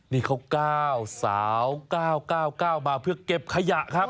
นี่เขา๙สาว๙๙๙มาเพื่อเก็บขยะครับ